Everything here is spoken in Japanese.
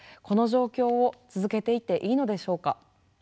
この状況を続けていていいのでしょうか？